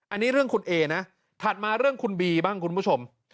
อันนี้เรื่องคุณเอนะถัดมาเรื่องคุณบีบ้างคุณผู้ชม